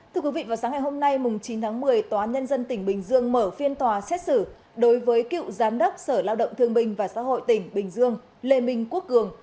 thưa quý vị vào sáng ngày hôm nay chín tháng một mươi tòa án nhân dân tỉnh bình dương mở phiên tòa xét xử đối với cựu giám đốc sở lao động thương bình và xã hội tỉnh bình dương lê minh quốc cường